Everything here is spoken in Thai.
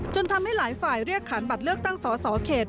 ทำให้หลายฝ่ายเรียกขานบัตรเลือกตั้งสอสอเขต